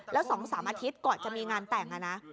แล้ว๒๓อาทิตย์ก่อนจะมีงานแต่งนะ